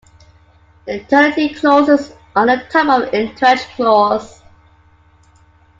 Eternity clauses are a type of entrenched clause.